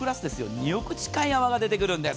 ２億近い泡が出てくるんです。